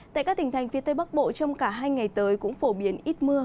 tại các tỉnh thành phía tây bắc bộ trong cả hai ngày tới cũng phổ biến ít mưa